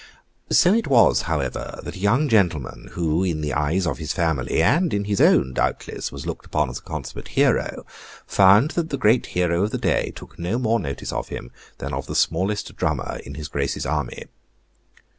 So it was, however, that a young gentleman, who, in the eyes of his family, and in his own, doubtless, was looked upon as a consummate hero, found that the great hero of the day took no more notice of him than of the smallest drummer in his Grace's army.